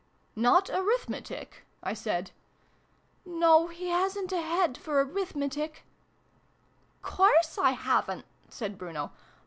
" Not Arithmetic ?" I said. " No, he hasn't a head for Arithmetic "Course I haven't!" said Bruno.